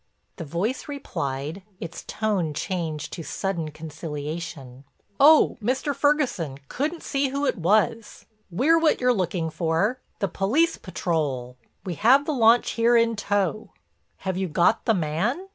The voice replied, its tone changed to sudden conciliation: "Oh, Mr. Ferguson; couldn't see who it was. We're what you're looking for—the police patrol. We have the launch here in tow." "Have you got the man?"